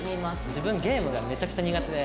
自分ゲームがめちゃくちゃ苦手で。